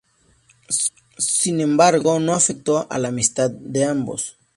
Sin embargo, no afectó la amistad de ambos.